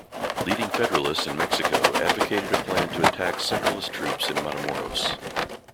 Leading federalists in Mexico advocated a plan to attack centralist troops in Matamoros.